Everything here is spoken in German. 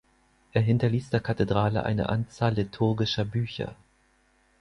Er hinterließ der Kathedrale eine Anzahl liturgischer Bücher.